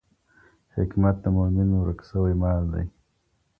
حکمت د مومن ورک سوی مال دی.